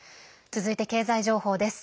続いて経済情報です。